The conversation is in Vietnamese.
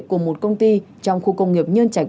của một công ty trong khu công nghiệp nhân trạch